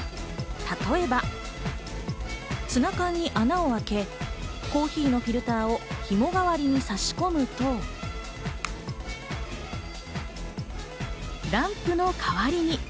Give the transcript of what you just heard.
例えば、ツナ缶に穴をあけ、コーヒーのフィルターをひも代わりに差し込むと、ランプの代わりに。